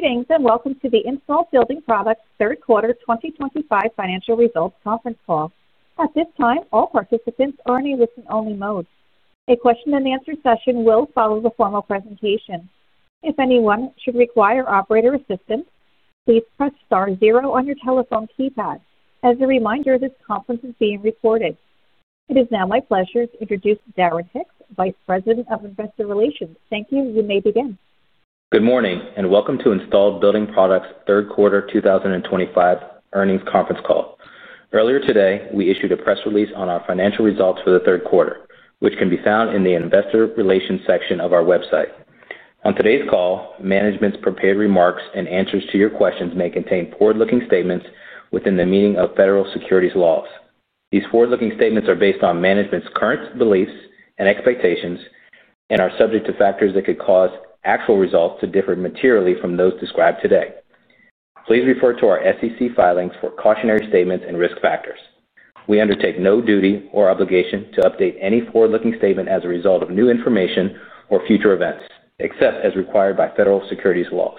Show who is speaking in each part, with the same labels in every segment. Speaker 1: Greetings and welcome to the Installed Building Products Third Quarter 2025 Financial Results Conference Call. At this time all participants are in a listen-only mode. A question-and-answer session will follow the formal presentation. If anyone should require operator assistance, please press zero on your telephone keypad. As a reminder, this conference is being recorded. It is now my pleasure to introduce Darren Hicks, Vice President of Investor Relations. Thank you. You may begin.
Speaker 2: Good morning and welcome to Installed Building Products Third Quarter 2025 Earnings Conference Call. Earlier today we issued a press release on our financial results for the third quarter which can be found in the Investor Relations section of our website. On today's call, management's prepared remarks and answers to your questions may contain forward looking statements within the meaning of federal securities laws. These forward looking statements are based on management's current beliefs and expectations and are subject to factors that could cause actual results to differ materially from those described today. Please refer to our SEC filings for cautionary statements and risk factors. We undertake no duty or obligation to update any forward looking statement as a result of new information or future events except as required by federal securities laws.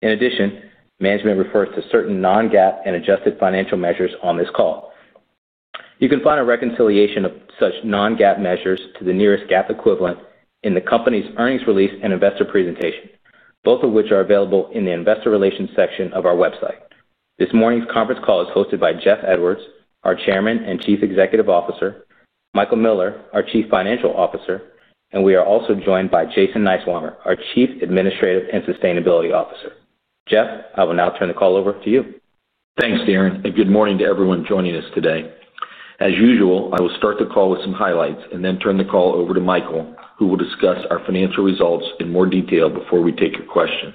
Speaker 2: In addition, management refers to certain non-GAAP and adjusted financial measures. On this call you can find a reconciliation of such non-GAAP measures to the nearest GAAP equivalent and in the company's earnings release and investor presentation, both of which are available in the Investor Relations section of our website. This morning's conference call is hosted by. Jeff Edwards, our Chairman and Chief Executive Officer, Michael Miller, our Chief Financial Officer. We are also joined by Jason. Niswonger, our Chief Administrative and Sustainability Officer. Jeff, I will now turn the call over to you.
Speaker 3: Thanks, Darren, and good morning to everyone joining us today. As usual, I will start the call with some highlights and then turn the call over to Michael, who will discuss our financial results in more detail before we take your questions.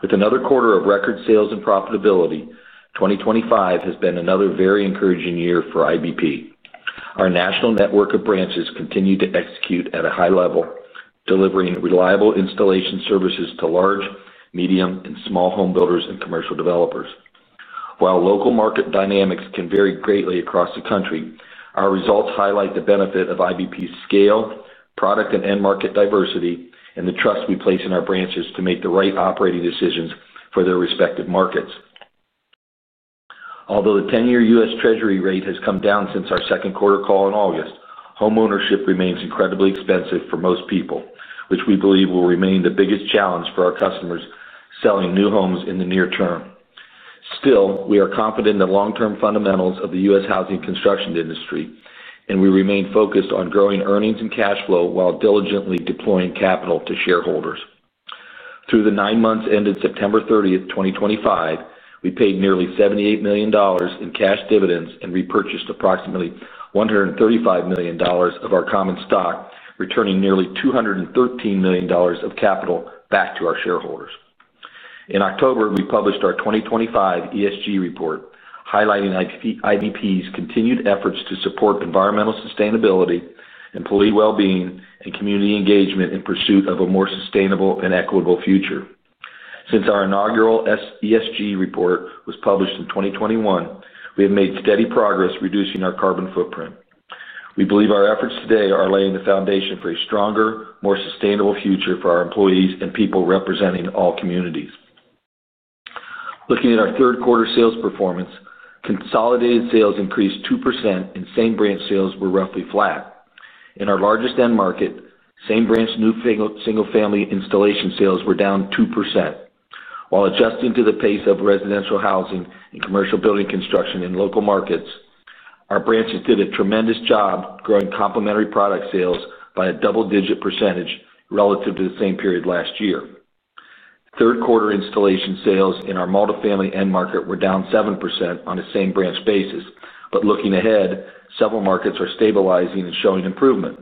Speaker 3: With another quarter of record sales and profitability, 2025 has been another very encouraging year for IBP. Our national network of branches continues to execute at a high level, delivering reliable installation services to large, medium, and small home builders and commercial developers. While local market dynamics can vary greatly across the country, our results highlight the benefit of IBP's scale, product and end-market diversity, and the trust we place in our branches to make the right operating decisions for their respective markets. Although the 10-year U.S. treasury rate has come down since our second quarter call in August, home ownership remains incredibly expensive for most people, which we believe will remain the biggest challenge for our customers selling new homes in the near term. Still, we are confident in the long-term fundamentals of the U.S. housing construction industry and we remain focused on growing earnings and cash flow while diligently deploying capital to shareholders. Through the nine months ended September 30th, 2025, we paid nearly $78 million in cash dividends and repurchased approximately $135 million of our common stock, returning nearly $213 million of capital back to our shareholders. In October, we published our 2025 ESG report highlighting IBP's continued efforts to support environmental sustainability, employee well-being, and community engagement in pursuit of a more sustainable and equitable future. Since our inaugural ESG Report was published in 2021, we have made steady progress reducing our carbon footprint. We believe our efforts today are laying the foundation for a stronger, more sustainable future for our employees and people representing all. Looking at our third-quarter sales performance, consolidated sales increased 2% and same branch sales were roughly flat in our largest end market. Same branch new single family installation sales were down 2%. While adjusting to the pace of residential housing and commercial building construction in local markets, our branches did a tremendous job growing complementary product sales by a double digit percentage. Relative to the same period last year, third quarter installation sales in our multifamily end market were down 7% on the same-branch basis. Looking ahead, several markets are stabilizing and showing improvement.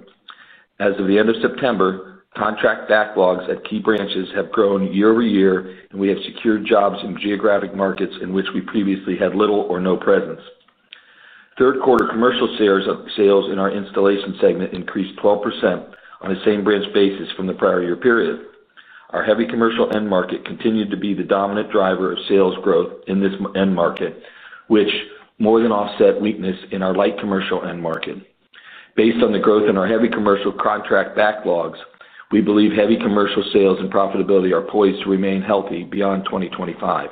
Speaker 3: As of the end of September, contract backlogs at key branches have grown year-over-year and we have secured jobs in geographic markets in which we previously had little or no presence. Third-quarter commercial sales in our installation segment increased 12% on a same-branch basis from the prior year period. Our heavy commercial end market continued to be the dominant driver of sales growth in this end market, which more than offset weakness in our light commercial end market. Based on the growth in our heavy commercial contract backlogs, we believe heavy commercial sales and profitability are poised to remain healthy beyond 2025.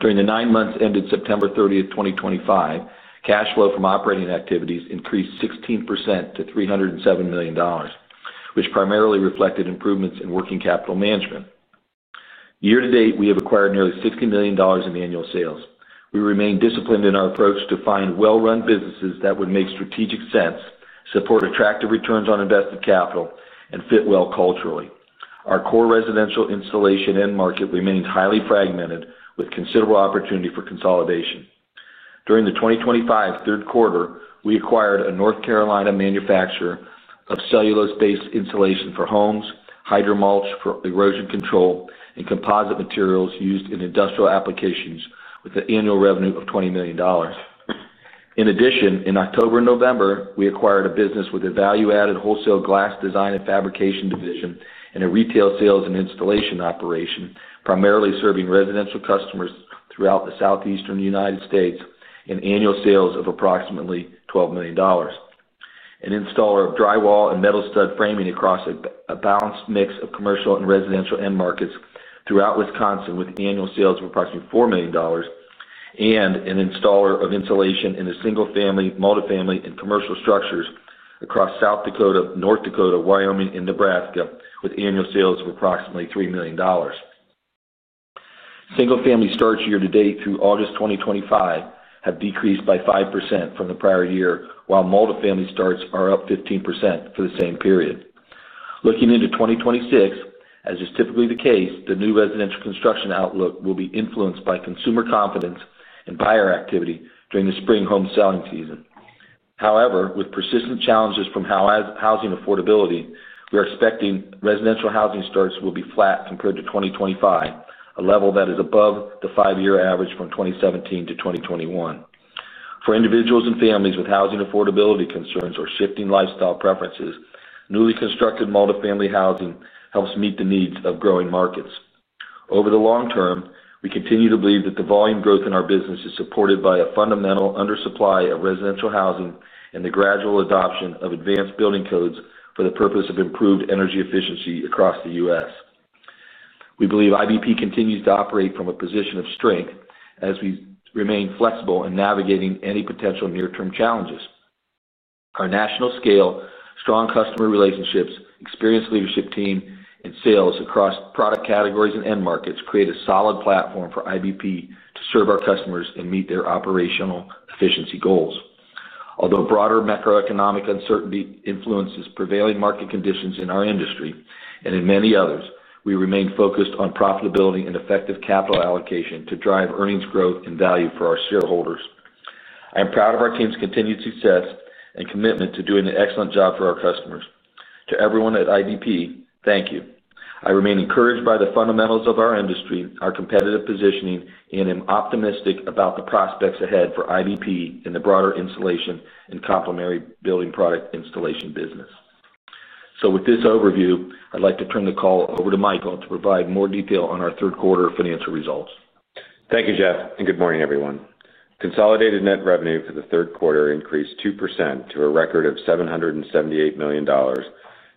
Speaker 3: During the nine months ended September 30th, 2025, cash flow from operating activities increased 16% to $307 million, which primarily reflected improvements in working capital management. Year-to-date, we have acquired nearly $60 million in annual sales. We remain disciplined in our approach to find well-run businesses that would make strategic sense, support attractive returns on invested capital and fit well. Culturally, our core residential installation end market remains highly fragmented with considerable opportunity for consolidation. During the 2025 third quarter we acquired a North Carolina manufacturer of cellulose-based insulation for homes, hydromulch for erosion control and composite materials used in industrial applications, with an annual revenue of $20 million. In addition, in October and November we acquired a business with a value-added wholesale glass design and fabrication division and a retail sales and installation operation primarily serving residential customers throughout the southeastern United States and annual sales of approximately $12 million; an installer of drywall and metal stud framing across a balanced mix of commercial and residential end markets throughout Wisconsin with annual sales of approximately $4 million, and an installer of insulation in the single-family, multifamily, and commercial structures across South Dakota, North Dakota, Wyoming, and Nebraska with annual sales of approximately $3 million. Single family starts year-to-date through August 2025 have decreased by 5% from the prior year while multifamily 15% for the same period. Looking into 2026, as is typically the case, the new residential construction outlook will be influenced by consumer confidence and buyer activity during the spring home selling season. However, with persistent challenges from housing affordability, we are expecting residential housing starts will be flat compared to 2025, a level that is above the five-year average from 2017 to 2021. For individuals and families with housing affordability concerns or shifting lifestyle preferences, newly constructed multifamily housing helps meet the needs of growing markets over the long term. We continue to believe that the volume growth in our business is supported by a fundamental undersupply of residential housing and the gradual adoption of advanced building codes for the purpose of improved energy efficiency across the U.S. We believe IBP continues to operate from a position of strength as we remain flexible in navigating any potential near-term challenges. Our national scale, strong customer relationships, experienced leadership team and sales across product categories and end markets create a solid platform for IBP to serve our customers and meet their operational efficiency goals. Although broader macroeconomic uncertainty influences prevailing market conditions in our industry and in many others, we remain focused on profitability and effective capital allocation to drive earnings growth and value for our shareholders. I am proud of our team's continued success and commitment to doing an excellent job for our customers. To everyone at IBP, thank you. I remain encouraged by the fundamentals of our industry, our competitive positioning, and am optimistic about the prospects ahead for IBP in the broader installation and complementary building product installation business. With this overview, I'd like to turn the call over to Michael to provide more detail on our third quarter financial results.
Speaker 4: Thank you Jeff and good morning everyone. Consolidated net revenue for the third quarter increased 2% to a record of $778 million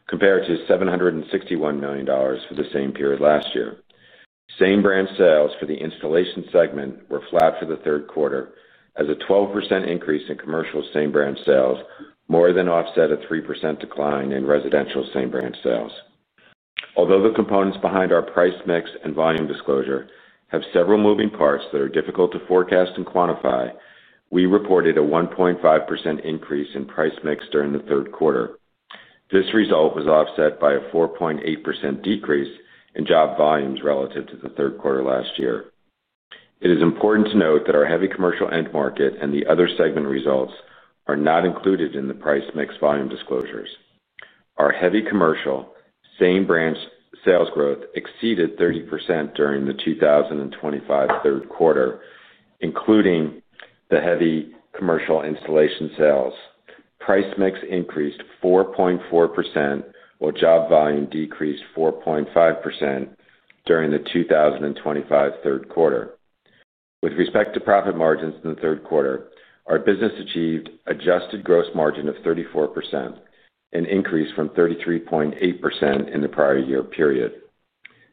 Speaker 4: compared to $761 million for the same period last year. Same-branch sales for the Installation Segment were flat for the third quarter as a 12% increase in commercial same-branch sales was more than offset by a 3% decline in residential same-branch sales. Although the components behind our price mix and volume disclosure have several moving parts that are difficult to forecast and quantify, we reported a 1.5% increase in price-mix during the third quarter. This result was offset by a 4.8% decrease in job volumes relative to the third quarter last year. It is important to note that our heavy commercial end market and the other segment results are not included in the price-mix volume disclosures. Our heavy commercial same-branch sales growth exceeded 30% during the 2025 third quarter. Including the heavy commercial installation, sales price-mix increased 4.4% while job volume decreased 4.5% during the 2025 third quarter. With respect to profit margins in the third quarter, our business achieved adjusted gross margin of 34%, an increase from 33.8% in the prior year period.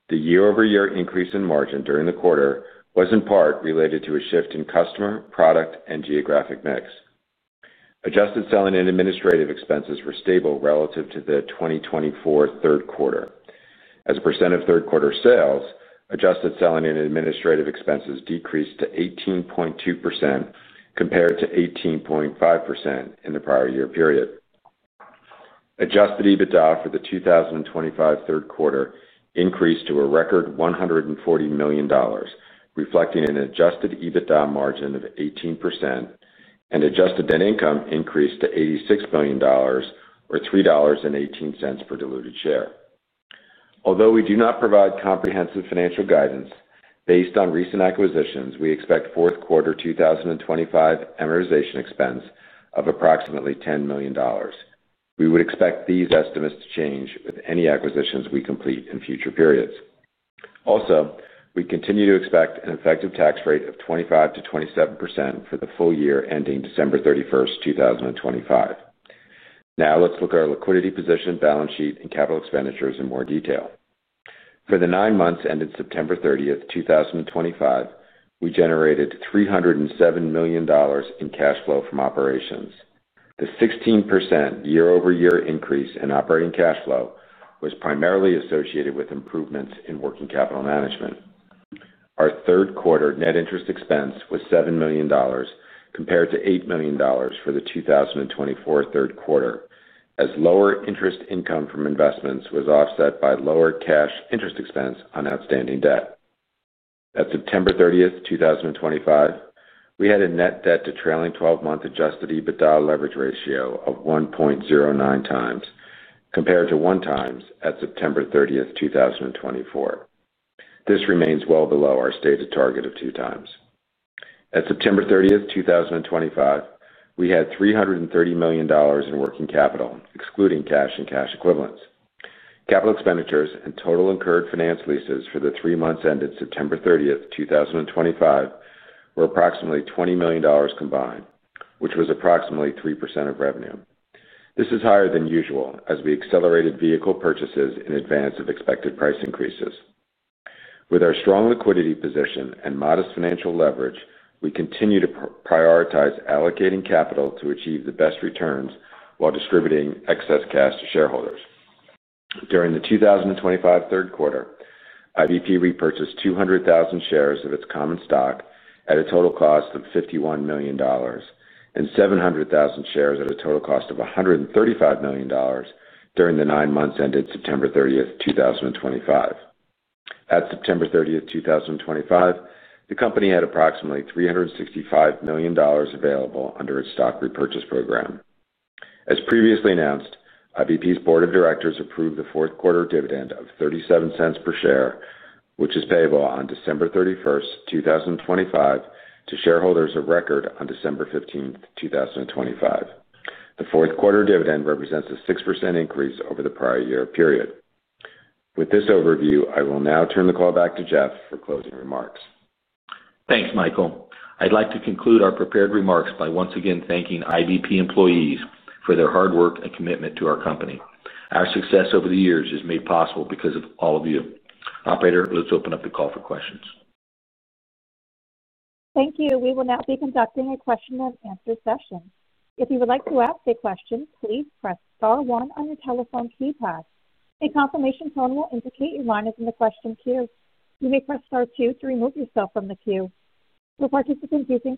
Speaker 4: The year-over-year increase in margin during the quarter was in part related to a shift in customer product and geographic mix. Adjusted selling and administrative expenses were stable relative to the 2024 third quarter as a percent of third-quarter sales. Adjusted selling and administrative expenses decreased to 18.2% compared to 18.5% in the prior year period. Adjusted EBITDA for the 2025 third quarter increased to a record $140 million, reflecting an adjusted EBITDA margin of 18% and adjusted net income increased to $86 million or $3.18 per diluted share. Although we do not provide comprehensive financial guidance, based on recent acquisitions, we expect fourth quarter 2025 amortization expense of approximately $10 million. We would expect these estimates to change with any acquisitions we complete in future periods. Also, we continue to expect an effective tax rate of 25%-27% for the full year ending December 31st, 2025. Now let's look at our liquidity position, balance sheet, and capital expenditures in more detail. For the nine months ended September 30th, 2025, we generated $307 million in cash flow from operations. The 16% year-over-year increase in operating cash flow was primarily associated with improvements in working capital management. Our third-quarter net interest expense was $7 million compared to $8 million for the 2024 third quarter as lower interest income from investments was offset by lower cash interest expense on outstanding debt. At September 30th, 2025, we had a net debt to trailing twelve month adjusted EBITDA leverage ratio of 1.09 times compared to 1 time at September 30th, 2024. This remains well below our stated target of 2 times. At September 30th, 2025, we had $330 million in working capital, excluding cash, and cash capital expenditures and total incurred finance leases for the three months ended September 30th, 2025 were approximately $20 million combined, which was approximately 3% of revenue. This is higher than usual as we accelerated vehicle purchases in advance of expected price increases. With our strong liquidity position and modest financial leverage, we continue to prioritize allocating capital to achieve the best returns while distributing excess cash to shareholders. During the 2025 third quarter, IBP repurchased 200,000 shares of its common stock at a total cost of $51 million and 700,000 shares at a total cost of $135 million during the nine months ended September 30th, 2025. At September 30th, 2025, the Company had approximately $365 million available under its stock repurchase program. As previously announced, IBP's Board of Directors approved the fourth quarter dividend of $0.37 per share, which is payable on December 31st, 2025 to shareholders of record on December 15th, 2025. The fourth quarter dividend represents a 6% increase over the prior year period. With this overview, I will now turn the call back to Jeff for closing remarks.
Speaker 3: Thanks, Michael. I'd like to conclude our prepared remarks by once again thanking IBP employees for their hard work and commitment. Our company, our success over the years, is made possible because of all of you. Operator, let's open up the call for questions.
Speaker 1: Thank you. We will now be conducting a question and answer session. If you would like to ask a question, please press star one on your telephone keypad. A confirmation tone will indicate your line is in the question queue. You may press star two to remove yourself from the queue. For participants using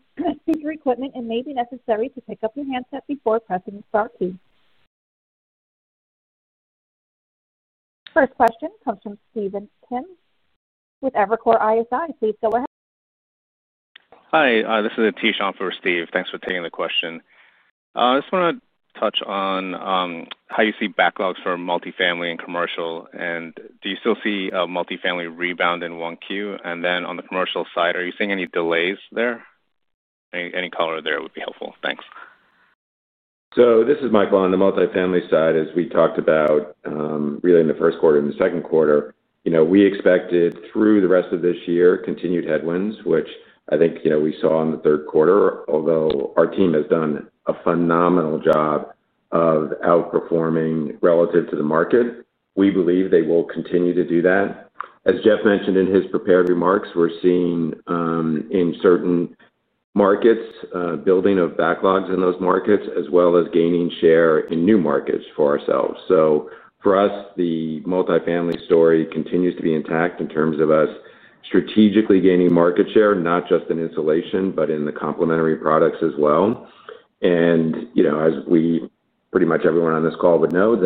Speaker 1: equipment, it may be necessary to pick up your handset before pressing the star key. First question comes from Stephen Kim with Evercore ISI. Please go ahead.
Speaker 5: Hi, this is Aatish Shah for Steve, thanks for taking the question. I just want to touch on how you see backlogs for multifamily and commercial and do you still see multifamily rebound in Q1? On the commercial side, are you seeing any delays there? Any color there would be helpful. Thanks.
Speaker 4: This is Michael. On the multifamily side, as we talked about, really in the first quarter and the second quarter, you know, we expected through the rest of this year, continued headwinds, which I think, you know, we saw in the third quarter. Although our team has done a phenomenal job of outperforming relative to the market, we believe they will continue to do that. As Jeff mentioned in his prepared remarks, we're seeing in certain markets building of backlogs in those markets as well as gaining share in new markets for ourselves. For us, the multifamily story continues to be intact in terms of us strategically gaining market share, not just in insulation but in the complementary products as well. You know, as pretty much everyone on this call would know,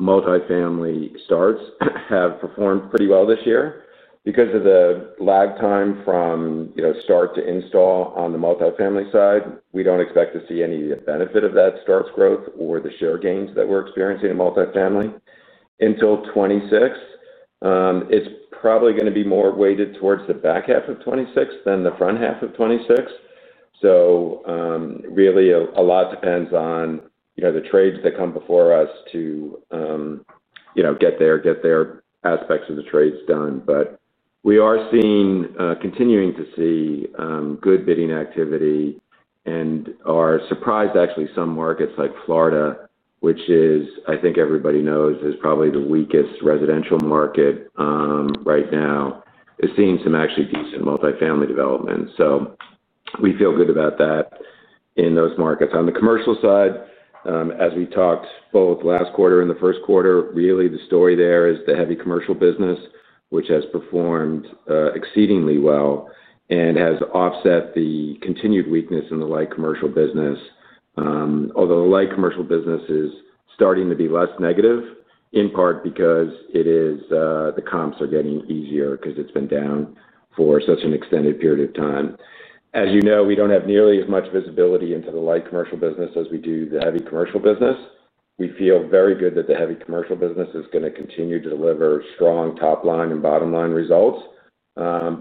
Speaker 4: multifamily starts have performed pretty well this year because of the lag time from start to install. On the multifamily side, we do not expect to see any benefit of that starts growth or the share gains that we are experiencing in multifamily until 2026. It is probably going to be more weighted towards the back half of 2026 than the front half of 2026. Really, a lot depends on the trades that come before us to get there, get their aspects of the trades done. We are seeing, continuing to see, good bidding activity and are surprised actually some markets like Florida, which is, I think everybody knows, is probably the weakest residential market right now, is seeing some actually decent multifamily development. We feel good about that in those markets. On the commercial side, as we talked both last quarter and the first quarter, really the story there is the heavy commercial business, which has performed exceedingly well and has offset the continued weakness in the light commercial business. Although the light commercial business is starting to be less negative in part because the comps are getting easier because it has been down for such an extended period of time. As you know, we do not have nearly as much visibility into the light commercial business as we do the heavy commercial business. We feel very good that the heavy commercial business is going to continue to deliver strong top line and bottom line results.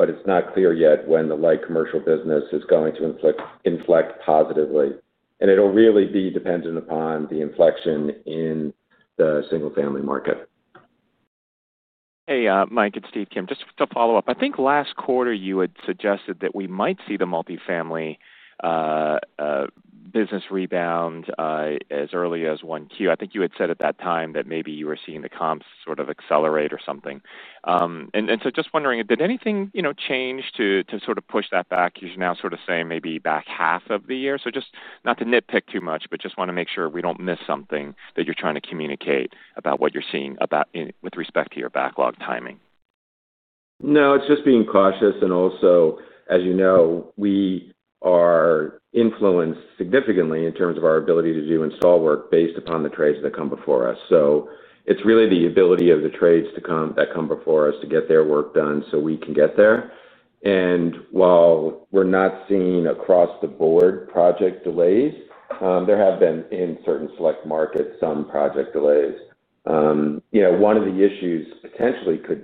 Speaker 4: It is not clear yet when the light commercial business is going to inflect positively and it'll really be dependent upon the inflection in the single-family market.
Speaker 6: Hey Mike, it's Steve Kim. Just to follow-up, I think last. Quarter you had suggested that we might see the multifamily business rebound as early as Q1. I think you had said at that. Time that maybe you were seeing the comps sort of accelerate or something and so just wondering did anything change to sort of push that back? You're now sort of saying maybe back half of the year. Just not to nitpick too much, but just want to make sure we don't miss something that you're trying to communicate about what you're seeing with respect to your backlog timing.
Speaker 4: No, it's just being cautious. Also, as you know, we are influenced significantly in terms of our ability to do install work based upon the trades that come before us. It's really the ability of the trades that come before us to get their work done so we can get there. While we're not seeing across-the-board project delays, there have been in certain select markets, some project delays. One of the issues potentially could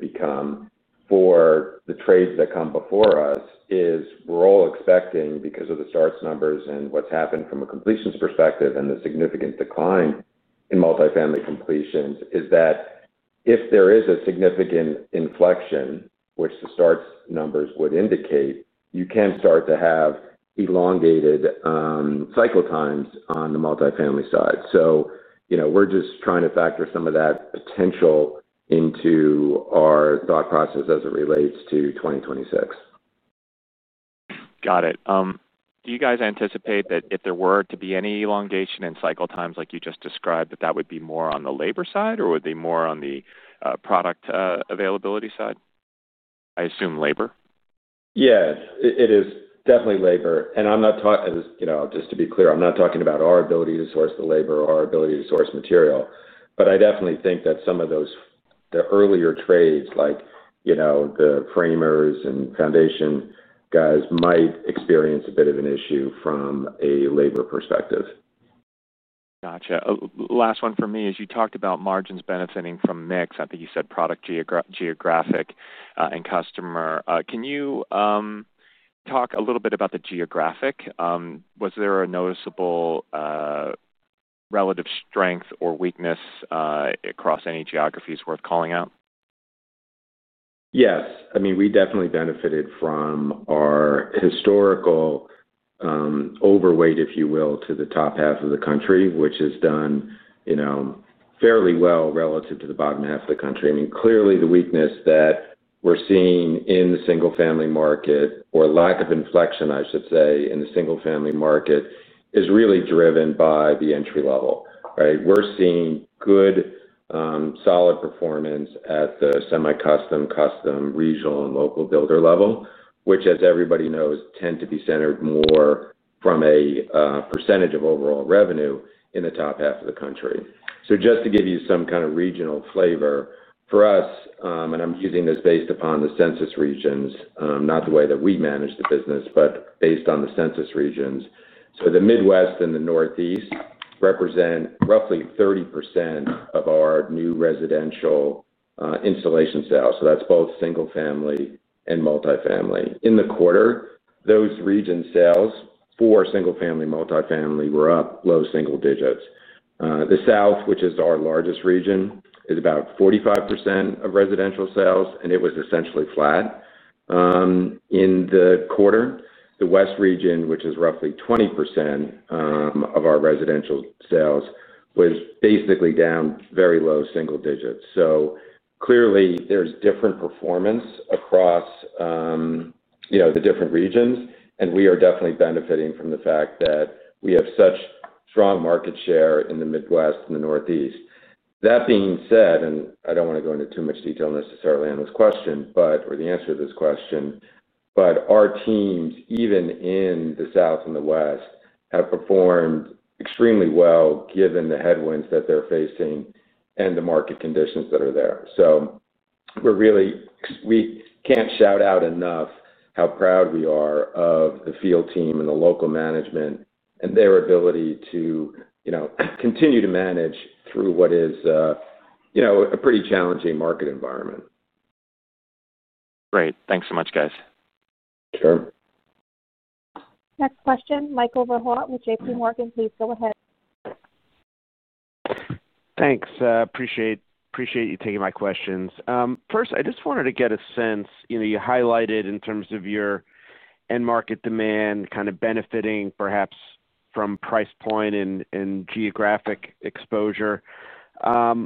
Speaker 4: become for the trades that come before us is we're all expecting because of the starts numbers and what's happened from a completions perspective and the significant decline in multifamily completions is that if there is a significant inflection, which the starts numbers would indicate, you can start to have elongated cycle times on the multifamily side. We're just trying to factor some of that potential into our thought process as it relates to 2026.
Speaker 6: Got it. Do you guys anticipate that if there. Were there to be any elongation in cycle. Times like you just described, that would be more on the labor side? Or would it be more on the product availability side? I assume labor.
Speaker 4: Yes, it is definitely labor. And I'm not, you know, just to be clear, I'm not talking about our ability to source the labor or our ability to source material, but I definitely think that some of those earlier trades like the framers and foundation guys might experience a bit of an issue from a labor perspective.
Speaker 6: Gotcha. Last one for me is you talked about margins benefiting from mix. I think you said product, geographic and customer. Can you talk a little bit about the geographic? Was there a noticeable relative strength or weakness across any geographies worth calling out?
Speaker 4: Yes, I mean, we definitely benefited from our historical overweight, if you will, to the top half of the country, which has done, you know, fairly well relative to the bottom half of the country. I mean, clearly the weakness that we're seeing in the single-family market, or lack of inflection, I should say, in the single-family market, is really driven by the entry level, right. We're seeing good, solid performance at the semi-custom, custom, regional and local builder level, which, as everybody knows, tend to be centered more from a percentage of overall revenue in the top half of the country. Just to give you some kind of regional flavor for us, and I'm using this based upon the Census regions, not the way that we manage the business, but based on the Census regions. The Midwest and the Northeast represent roughly 30% of our new residential installation sales. That's both single-family and multifamily. In the quarter, those region sales for single family multifamily were up low single digits. The South, which is our largest region, is about 45% of residential sales, and it was essentially flat in the quarter. The West region, which is roughly 20% of our residential sales, was basically down very low single digits. Clearly there's different performance across the different regions and we are definitely benefiting from the fact that we have such strong market share in the Midwest and the Northeast. That being said, I do not want to go into too much detail necessarily on this question, but our teams, even in the South and the West, have performed extremely well given the headwinds that they're facing and the market conditions that are there. We really cannot shout out enough how proud we are of the field team and the local management and their ability to, you know, continue to manage through what is, you know, a pretty challenging market environment.
Speaker 6: Great. Thanks so much, guys.
Speaker 4: Sure.
Speaker 1: Next question. Michael Rehaut with J.P. Morgan, please go ahead.
Speaker 7: Thanks. Appreciate you taking my questions. First, I just wanted to get a sense, you know, you highlighted in terms of your end-market demand kind of benefiting perhaps from price point and geographic exposure. I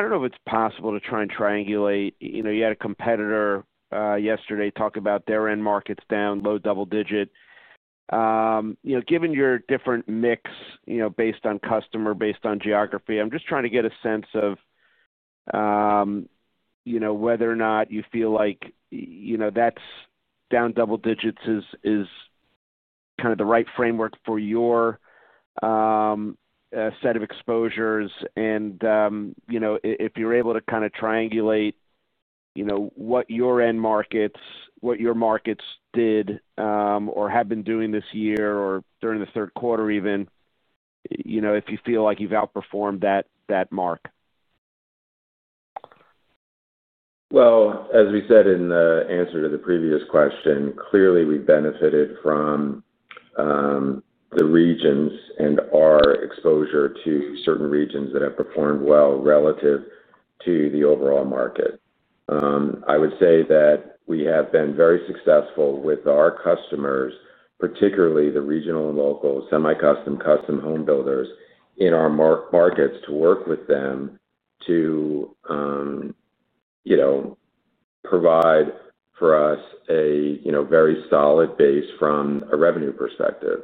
Speaker 7: don't know if it's possible to try and triangulate. You had a competitor yesterday talk about their end markets down low double digit, given your different mix, based on customer, based on geography. I'm just trying to get a sense of whether or not you feel like. That's down double-digits, is that right? Framework for your. Set of exposures. If you're able to kind of triangulate what your end markets, what your markets did or have been doing this year or during the third quarter, even if you feel like you've outperformed that mark.
Speaker 4: As we said in the answer to the previous question, clearly we benefited from the regions and our exposure to certain regions that have performed well relative to the overall market. I would say that we have been very successful with our customers, particularly the regional and local semi-custom custom homebuilders in our markets to work with them to, you know, provide for us a very solid base from a revenue perspective.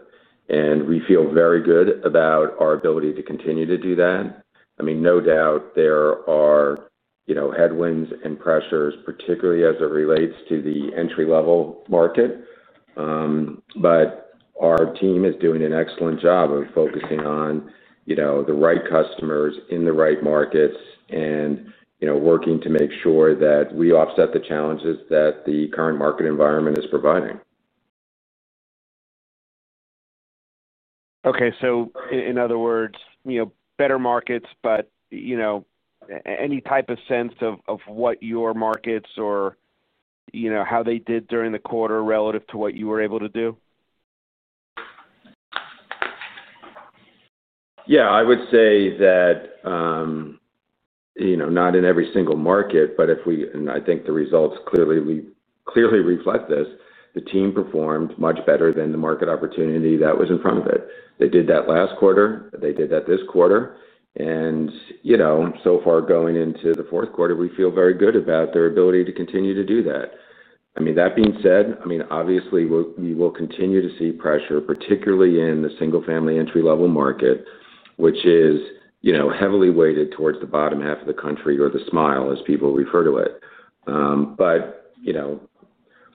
Speaker 4: We feel very good about our ability to continue to do that. I mean, no doubt there are headwinds and pressures, particularly as it relates to the entry-level market. Our team is doing an excellent job of focusing on the right customers in the right markets and working to make sure that we offset the challenges that the current market environment is providing.
Speaker 7: Okay, in other words, better markets, but any type of sense of what your markets or how they did during the quarter relative to what you were able to do?
Speaker 4: Yeah, I would say that, you know, not in every single market, but if we, and I think the results clearly, clearly reflect this, the team performed much better than the market opportunity that was in front of it. They did that last quarter, they did that this quarter. You know, so far going into the fourth quarter, we feel very good about their ability to continue to do that. I mean, that being said, obviously we will continue to see pressure, particularly in the single-family entry-level market, which is, you know, heavily weighted towards the bottom half of the country, or the smile as people refer to it. You know,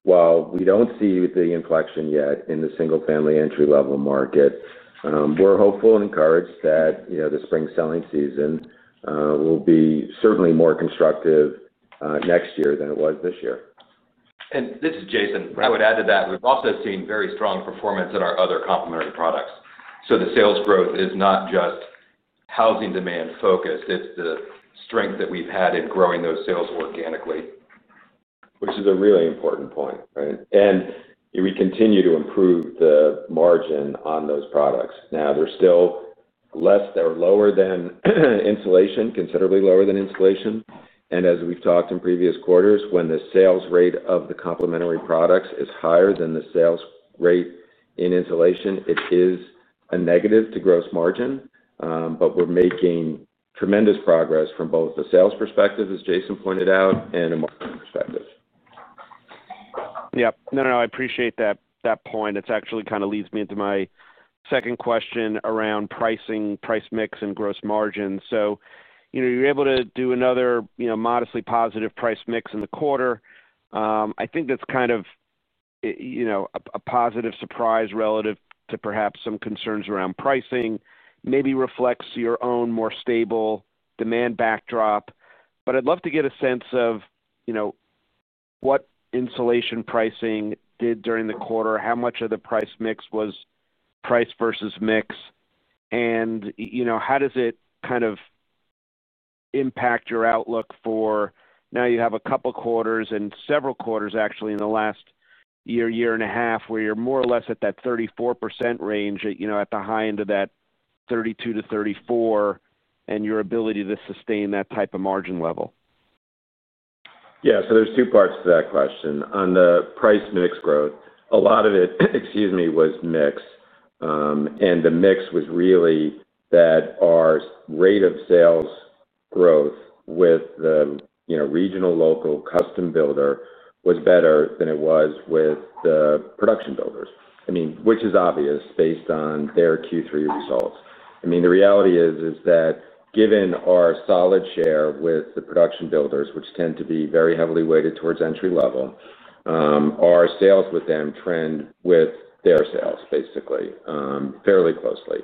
Speaker 4: while we do not see the inflection yet in the single-family entry-level market, we are hopeful and encouraged that, you know, the spring selling season will be certainly more constructive next year than it was this year.
Speaker 8: This is Jason, I would add to that. We've also seen very strong performance in our other complementary products. The sales growth is not just housing demand focused, it is the strength that we have had in growing those sales organically,
Speaker 4: Which is a really important point. We continue to improve the margin on those products. Now they are still less or lower than insulation. Considerably lower than insulation. As we have talked in previous quarters, when the sales rate of the complementary products is higher than the sales rate in insulation, it is a negative to gross margin. We are making tremendous progress from both the sales perspective, as Jason pointed out, and a market perspective.
Speaker 7: Yep. No, no, I appreciate that point. It actually kind of leads me into my second question around pricing, price-mix and gross margin. You know, you're able to do another, you know, modestly positive price-mix in the quarter. I think that's kind of a positive surprise relative to perhaps some concerns around pricing. Maybe reflects your own more stable demand backdrop. I'd love to get a sense of what insulation pricing did during the quarter. How much of the price-mix was price versus mix and how does it impact your outlook? For now, you have a couple quarters and several quarters actually in the last year, year and a half where you're. More or less at that 34% range, you know, at the high end of. That 32%-34% and your ability. To sustain that type of margin level.
Speaker 4: Yeah, so there's two parts to that question. On the price-mix growth, a lot of it, excuse me, was mix. And the mix was really that our rate of sales growth with the regional local custom builder was better than it was with the production builders, which is obvious based on their Q3 results. The reality is that given our solid share with the production builders, which tend to be very heavily weighted towards entry level, our sales with them trend with their sales basically fairly closely.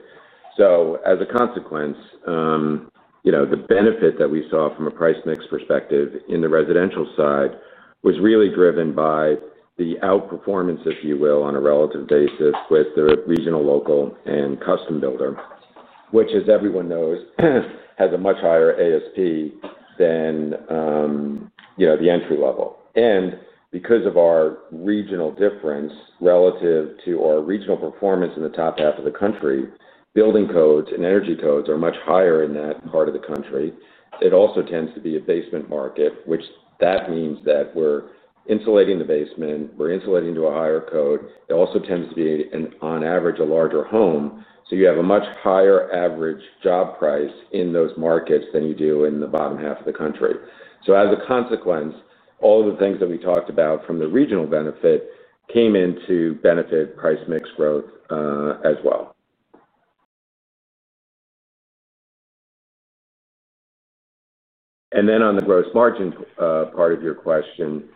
Speaker 4: As a consequence, you know, the benefit that we saw from a price mix perspective in the residential side was really driven by the outperformance, if you will, on a relative basis with the regional local and custom builder, which as everyone knows, has a much higher ASP than, you know, the entry level. Because of our regional difference relative to our regional performance in the top half of the country, building codes and energy codes are much higher in that part of the country. It also tends to be a basement market, which means that we're insulating the basement, we're insulating to a higher code. It also tends to be on average a larger home. You have a much higher average job price in those markets than you do in the bottom half of the country. As a consequence, all the things that we talked about from the regional benefit came in to benefit price mix growth as well. On the gross margin part of your question,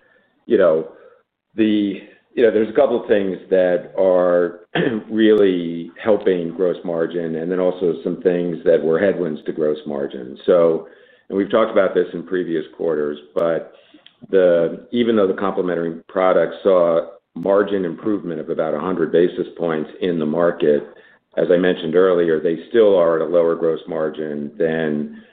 Speaker 4: you know, there's a couple things that are really helping gross margin and then also some things that were headwinds to gross margin. And we've talked about this in previous quarters, but even though the complementary products saw margin improvement of about 100 basis points in the market, as I mentioned earlier, they still are at a lower gross margin than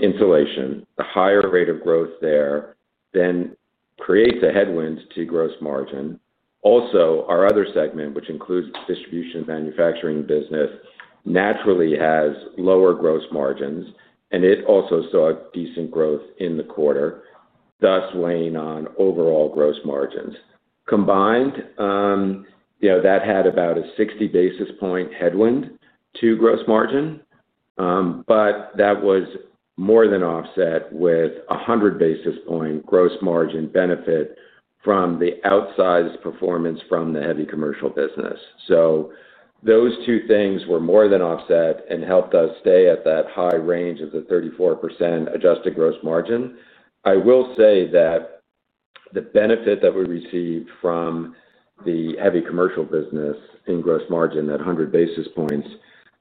Speaker 4: insulation. The higher rate of growth there then creates a headwind to gross margin. Also our Other Segment, which includes distribution manufacturing business, naturally has lower gross margins and it also saw decent growth in the quarter, thus weighing on overall gross margins. Combined, that had about a 60 basis point headwind to gross margin. That was more than offset with 100-basis-point gross margin benefit from the outsized performance from the heavy commercial business. Those two things were more than offset and helped us stay at that high range of the 34% adjusted gross margin. I will say that the benefit that we received from the heavy commercial business in gross margin at 100 basis points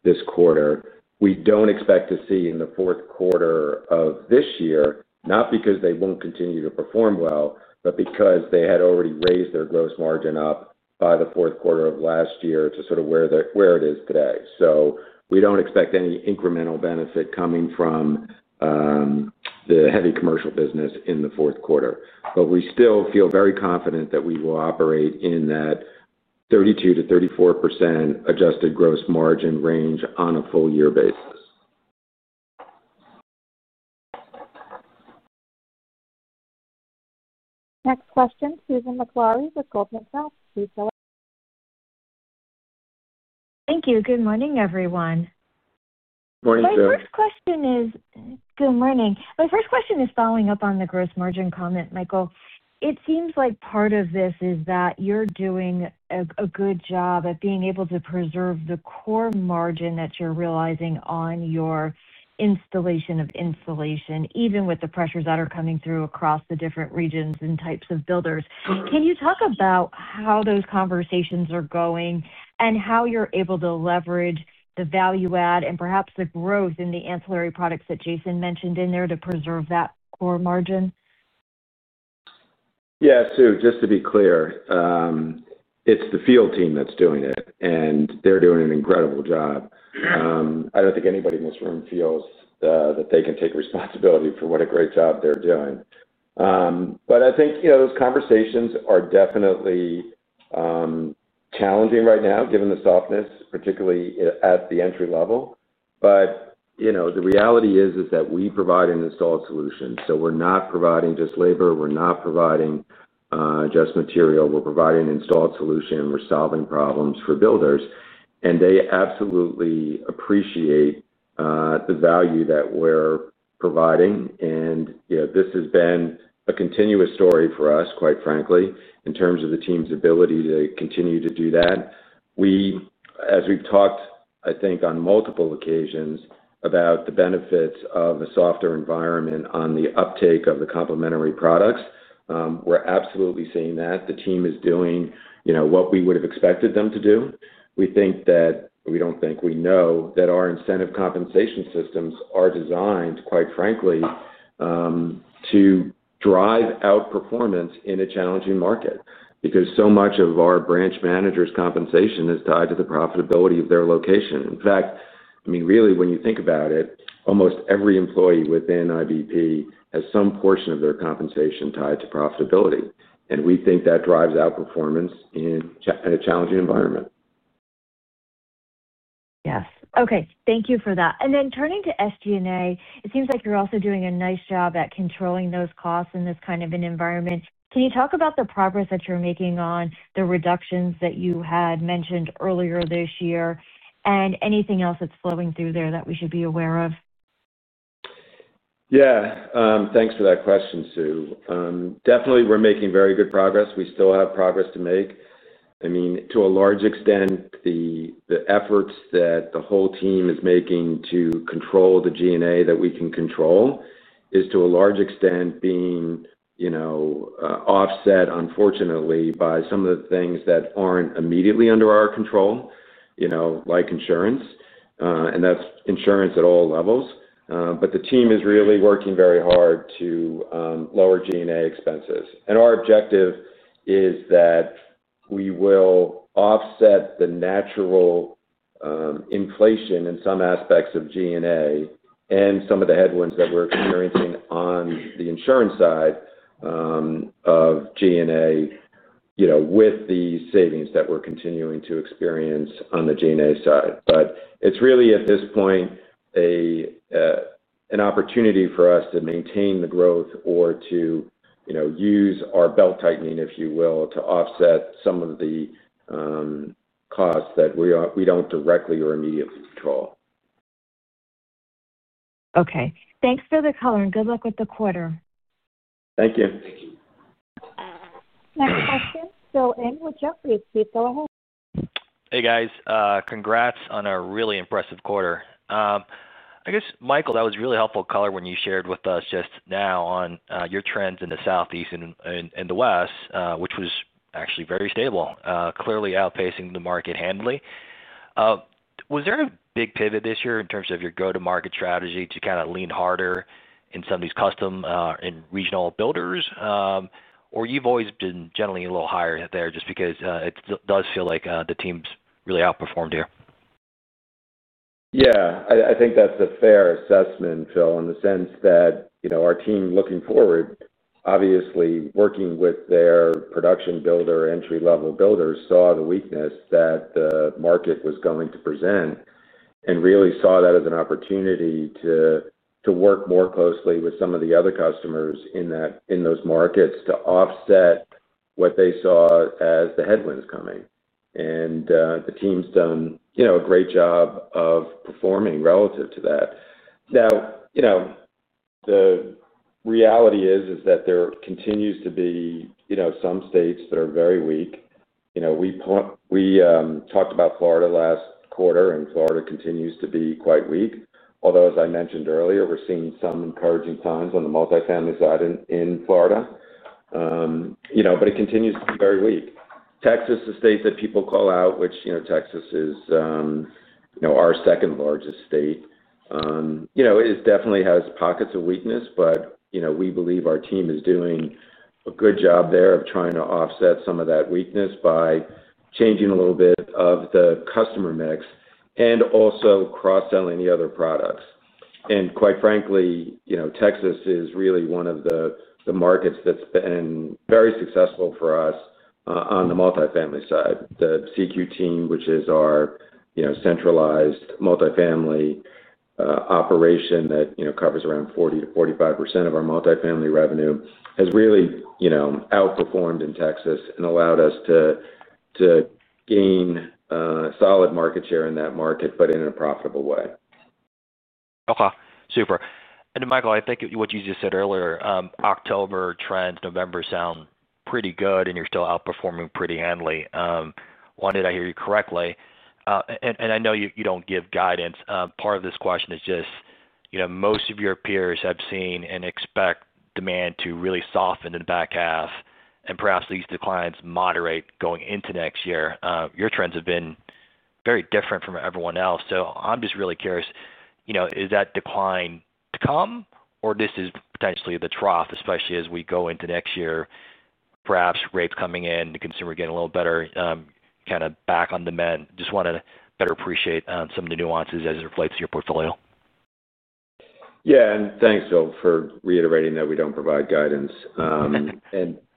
Speaker 4: this quarter, we do not expect to see in the fourth quarter of this year. Not because they will not continue to perform well, but because they had already raised their gross margin up by the fourth quarter of last year to sort of where it is today. We do not expect any incremental benefit coming from the heavy commercial business in the fourth quarter, but we still feel very confident that we will operate in that 32%-34% adjusted gross margin range on a full-year basis.
Speaker 1: Next question. Susan Maklari with Goldman Sachs, please go.
Speaker 9: Thank you. Good morning everyone. My first question is. Good morning. My first question is following up on the gross margin comment. Michael, it seems like part of this is that you're doing a good job at being able to preserve the core margin that you're realizing on your installation of insulation, even with the pressures that are coming through across the different regions and types of building. Can you talk about how those conversations are going and how you're able to leverage the value add and perhaps the growth in the ancillary products that Jason mentioned in there to preserve that core margin?
Speaker 4: Yeah, Sue, just to be clear, it's the field team that's doing it and they're doing an incredible job. I don't think anybody in this room feels that they can take responsibility for what a great job they're doing. I think those conversations are definitely challenging right now given the softness, particularly at the entry level. The reality is that we provide an installed solution. We're not providing just labor, we're not providing just material. We're providing an installed solution. We're solving problems for builders. They absolutely appreciate the value that we're providing. This has been a continuous story for us, quite frankly, in terms of the team's ability to continue to do that. We, as we've talked, I think on multiple occasions, about the benefits of a softer environment on the uptake of the complementary products. We're absolutely seeing that the team is doing, you know, what we would have expected them to do. We think that, we don't think, we know that our incentive compensation systems are designed, quite frankly, to drive outperformance in a challenging market. Because so much of our branch managers' compensation is tied to the profitability of their location. In fact, I mean, really, when you think about it, almost every employee within IBP has some portion of their compensation tied to profitability. We think that drives outperformance in a challenging environment.
Speaker 9: Yes. Okay, thank you for that. Turning to SG&A, it seems like you're also doing a nice job at controlling those costs in this kind of an environment. Can you talk about the progress that you're making on the reductions that you had mentioned earlier this year and anything else that's flowing through there that we should be aware of?
Speaker 4: Yeah, thanks for that question, Sue. Definitely we're making very good progress. We still have progress to make. I mean, to a large extent, the efforts that the whole team is making to control the G&A that we can control is to a large extent being offset, unfortunately, by some of the things that aren't immediately under our control, like insurance. That's insurance at all levels. The team is really working very hard to lower G&A expenses. Our objective is that we will offset the natural inflation in some aspects of G&A and some of the headwinds that we're experiencing on the insurance side of G&A, you know, with the savings that we're continuing to experience on the G&A side. It is really, at this point, an opportunity for us to maintain the growth or to, you know, use our belt-tightening, if you will, to offset some of the costs that we do not directly or immediately control.
Speaker 9: Okay, thanks for the color and good luck with the quarter.
Speaker 4: Thank you.
Speaker 1: Next question. Phil Ng with Jefferies. Please go ahead.
Speaker 10: Hey, guys, congrats on a really impressive quarter. I guess, Michael, that was really helpful color when you shared with us just now on your trends in the Southeast and the West, which was actually very stable, clearly outpacing the market handily. Was there a big pivot this year in terms of your go-to-market strategy to kind of lean harder in some of these custom and regional builders, or you've always been generally a little higher there just because it does feel like the team's really outperformed here.
Speaker 4: Yeah, I think that's a fair assessment, Phil, in the sense that, you know, our team, looking forward, obviously working with their production builder, entry-level builders, saw the weakness that the market was going to present and really saw that as an opportunity to work more closely with some of the other customers in those markets to offset what they saw as the headwinds coming. The team's done a great job of performing relative to that. Now, the reality is that there continues to be, you know, some states that are very weak. We talked about Florida last quarter, and Florida continues to be quite weak. Although, as I mentioned earlier, we're seeing some encouraging times on the multifamily side in Florida, you know, but it continues to be very weak. Texas, the state that people call out, which, you know, Texas is, you know, our second largest state, you know, it definitely has pockets of weakness. You know, we believe our team is doing a good job there of trying to offset some of that weakness by changing a little bit of the customer mix and also cross-selling the other products. Quite frankly, you know, Texas is really one of the markets that's been very successful for us on the multifamily side. The CQ team, which is our, you know, centralized multifamily operation that covers around 40%-45% of our multifamily revenue, has really outperformed in Texas and allowed us to gain solid market share in that market, but in a profitable way.
Speaker 10: Okay, super. Michael, I think what you just said earlier, October trends, November sound pretty good and you're still outperforming pretty handily. What did I hear correctly? I know you don't give guidance. Part of this question is just most of your peers have seen and expect demand to really soften in the back half and perhaps these declines moderate going into next year. Your trends have been very different from everyone else. I am just really curious, is that decline to come or is this potentially the trough, especially as we go into next year, perhaps rates coming in, the consumer getting a little better, kind of back on the mend. Just wanted to better appreciate some of the nuances as it relates to your portfolio.
Speaker 4: Yeah. Thanks, Joe, for reiterating that. We do not provide guidance.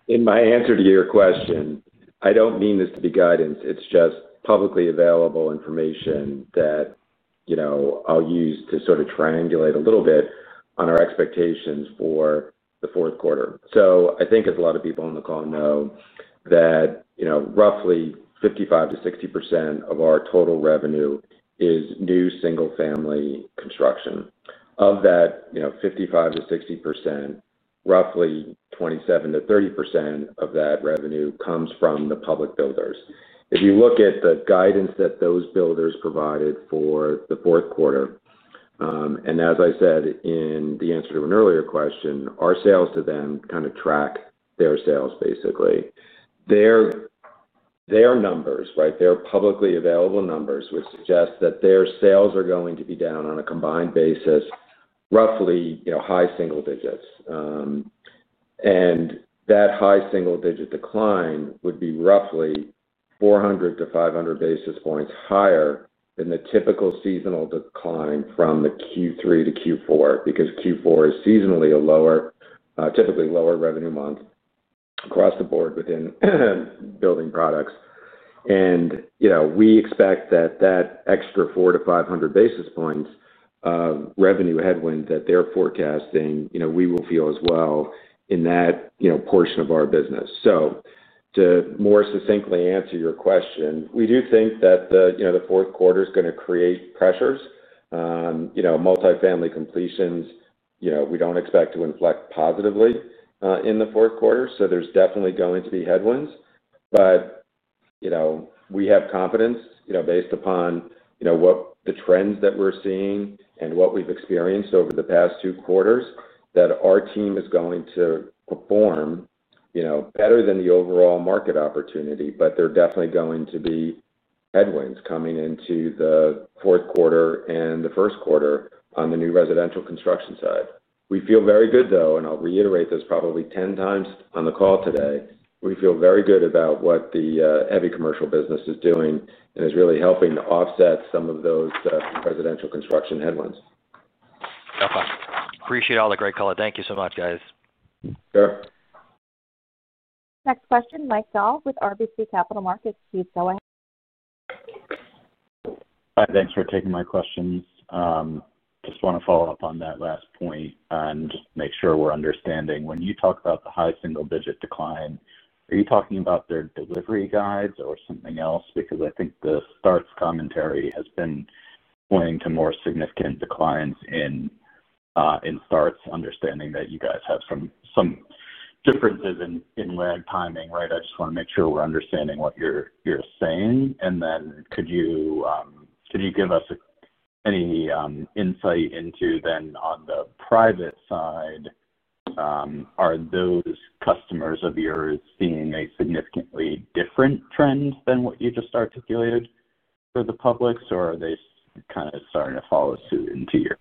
Speaker 4: In my answer to your question, I do not mean this to be guidance, it is just publicly available information that, you know, I will use to sort of triangulate a little bit on our expectations for the fourth quarter. I think, as a lot of people on the call know, that, you know, roughly 55%-60% of our total revenue is new single-family construction. Of that 55%-60%, roughly 27%-30% of that revenue comes from the public builders. If you look at the guidance that those builders provided for the fourth quarter, and as I said in the answer to an earlier question, our sales to them kind of track their sales, basically their numbers, right. Their publicly available numbers, which suggest that their sales are going to be down on a combined basis, roughly high single digits. That high single-digit decline would be roughly 400-500 basis points higher than the typical seasonal decline from the Q3 to Q4, because Q4 is seasonally a lower, typically lower revenue month across the board within building products. We expect that that extra 400-500 basis points revenue headwind that they're forecasting, we will feel as well in that portion of our business. To more succinctly answer your question, we do think that the fourth quarter is going to create pressures, multifamily completions. You know, we don't expect to inflect positively in the fourth quarter, so there's definitely going to be headwinds. You know, we have confidence, you know, based upon, you know, what the trends that we're seeing and what we've experienced over the past two quarters that our team is going to perform, you know, better than the overall market opportunity. They're definitely going to be headwinds coming into the fourth quarter and the first quarter. On the new residential construction side, we feel very good though, and I'll reiterate this probably 10 times on the call today, we feel very good about what the heavy commercial business is doing and is really helping to offset some of those residential construction headwinds.
Speaker 3: Appreciate all the great color. Thank you so much, guys.
Speaker 1: Next question, Mike Dahl with RBC Capital Markets. Please go ahead.
Speaker 11: Hi. Thanks for taking my questions. Just want to follow up on that last point and make sure we're understanding when you talk about the high single digit decline, are you talking about their delivery guides or something else? Because I think the starts commentary has been pointing to more significant declines in starts. Understanding that you guys have some differences in lag timing, right. I just want to make sure we're understanding what you're saying. Could you, can you give us any insight into then on the private side, are those customers of yours seeing a significantly different trend than what you just articulated for the publics? Are they kind of starting to follow suit into your—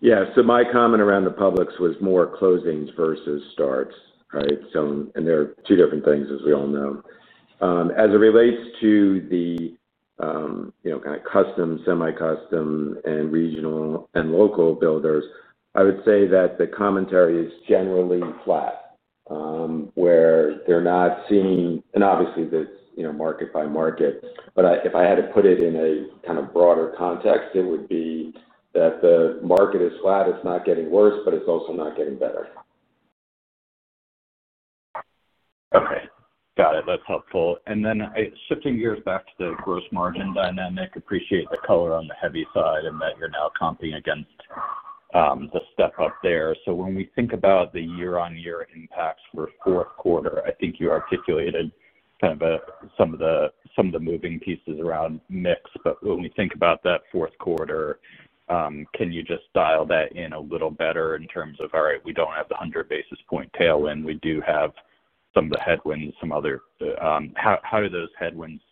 Speaker 4: Yeah, so my comment around the publics was more closings versus starts, right? There are two different things as we all know as it relates to the kind of custom, semi-custom and regional and local builders. I would say that the commentary is generally flat where they're not seeing, and obviously this is market by market. If I had to put it in a broader context, it would be that the market is flat, it's not getting worse, but it's also not getting better.
Speaker 11: Okay, got it. That's helpful. Then shifting gears back to the gross margin dynamic, appreciate the color on the heavy side and that you're now comping against the step up there. When we think about the year-on-year impacts for fourth quarter, I think you articulated kind of some of the moving pieces around mix. When we think about that fourth quarter, can you just dial that in a little better? In terms of, all right, we do not have the 100 basis point tailwind. We do have some of the headwinds. Some other, how do those headwinds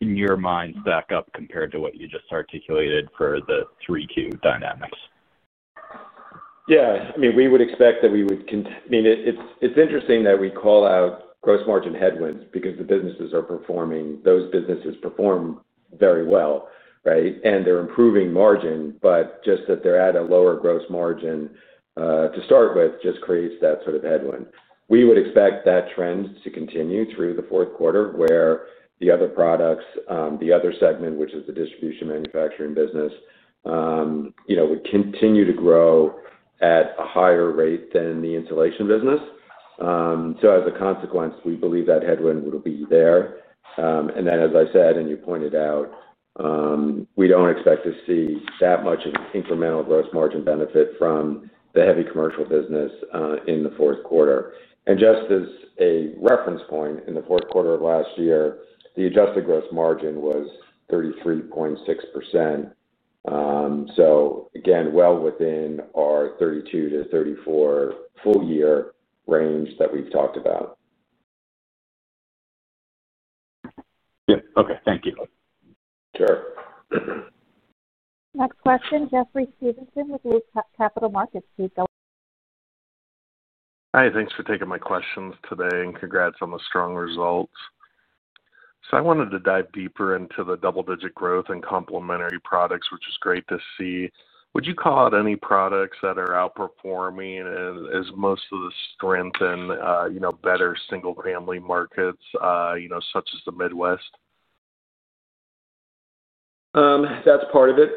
Speaker 11: in your mind stack up compared to what you just articulated for the Q3 dynamics?
Speaker 4: Yeah, I mean, we would expect that we would. It's interesting that we call out gross margin headwinds because the businesses are performing. Those businesses perform very well. Right. And they're improving margin, but just that they're at a lower gross margin to start with just creates that sort of headwind. We would expect that trend to continue through the fourth quarter where the other products, the Other Segment, which is the distribution manufacturing business, you know, would continue to grow at a higher rate than the insulation business. As a consequence, we believe that headwind will be there. As I said, and you pointed out, we don't expect to see that much incremental gross margin benefit from the heavy commercial business in the fourth quarter. Just as a reference point, in the fourth quarter of last year, the adjusted gross margin was 33.6%. Again, well within our 32%-34& full-year range that we've talked about.
Speaker 11: Okay, thank you.
Speaker 4: Sure.
Speaker 1: Next question. Jeffrey Stevenson with Capital Markets.
Speaker 12: Hi. Thanks for taking my questions today and congrats on the strong results. I wanted to dive deeper into the double-digit growth in complementary products, which is great to see. Would you call out any products that are outperforming? Is most of the strength in, you know, better single-family markets, you know, such as the Midwest?
Speaker 4: That's part of it.